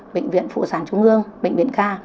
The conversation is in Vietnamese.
bệnh viện phụ sản trung ương bệnh viện kha